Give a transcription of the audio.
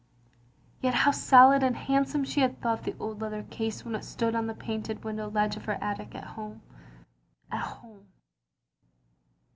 Yet how solid and handsome she had thought the old leather case when it stood on the painted window ledge of her attic at home. At home.